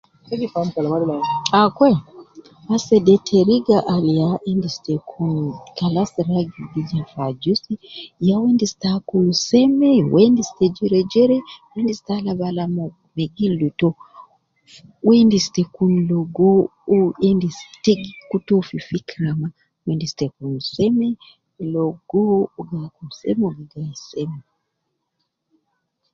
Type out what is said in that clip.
Akwe, asede teriga al ya endis te kun kalas ragi gi ja ajusi ya uwo endis ta akul seme uwo endis te jere jere, uwo endis ta alab alab me gildu to, uwo endis te kun logo uwo endis te gi kutu uwo fi fikira mma, uwo endis te kun seme logo uwo gi akul seme, uwo gi gayi seme.